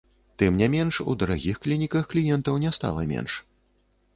Тым не менш, у дарагіх клініках кліентаў не стала менш.